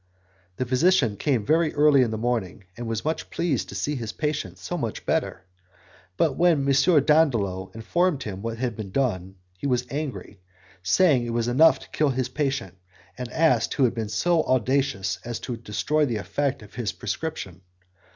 The physician came very early in the morning, and was much pleased to see his patient so much better, but when M. Dandolo informed him of what had been done, he was angry, said it was enough to kill his patient, and asked who had been so audacious as to destroy the effect of his prescription.